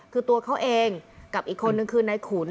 คือตัวเขาเองกับอีกคนนึงคือนายขุน